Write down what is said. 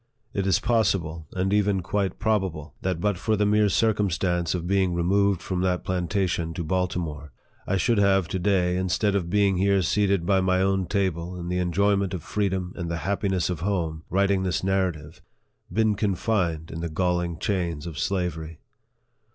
It is possible, and even quite probable, that but for the mere circumstance of being removed from that plantation to Baltimore, I should have to day, instead of being here seated by my own table, in the enjoyment of freedom and the happiness of home, writing this Narrative, been confined in the galling LIFE OP FREDERICK DOUGLASS. 31 chains of slavery.